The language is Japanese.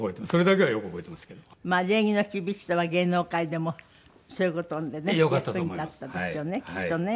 礼儀の厳しさは芸能界でもそういう事でね役に立ったんでしょうねきっとね。